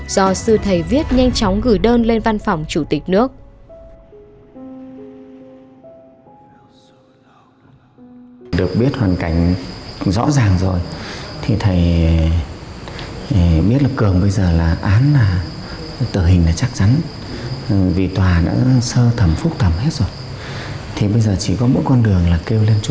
do sư thầy viết nhanh chóng gửi đơn lên văn phòng chủ tịch nước